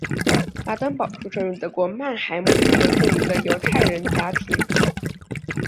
拉登堡出生于德国曼海姆一个著名的犹太人家庭。